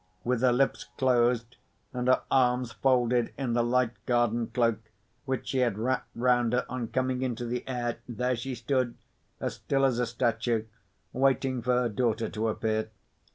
With her lips closed, and her arms folded in the light garden cloak which she had wrapped round her on coming into the air, there she stood, as still as a statue, waiting for her daughter to appear.